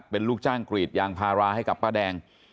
เป็นลูกจ้างกรีดยางพาราให้กับป้าแดง